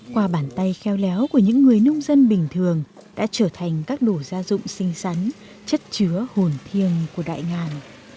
qua bàn tay khéo léo của những người nông dân bình thường đã trở thành các đồ gia dụng xinh xắn chất chứa hồn thiêng của đại ngàn